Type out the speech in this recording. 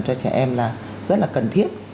cho trẻ em là rất là cần thiết